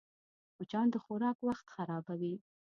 مچان د خوراک وخت خرابوي